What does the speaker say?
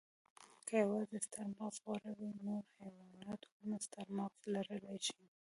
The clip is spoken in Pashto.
که یواځې ستر مغز غوره وی، نورو حیواناتو هم ستر مغز لرلی شوی.